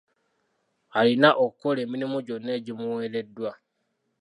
Alina okukola emirimu gyonna egimuweereddwa.